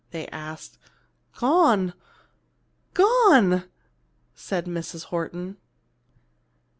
they asked. "Gone gone " said Mrs. Horton.